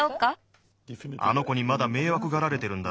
「あの子にまだめいわくがられてるんだろ？